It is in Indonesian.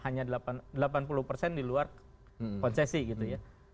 hanya delapan puluh persen di luar konsesi gitu ya